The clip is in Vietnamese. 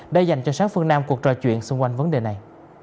đã dành cho sáng phương nam cuộc trò chuyện xung quanh vấn đề này